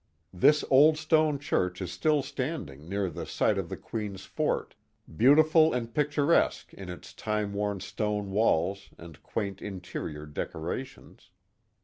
This old stone church is still standing near the site of the Queen's Fort, beautiful and picturesque in its time worn stone walls and quaint interior decorations.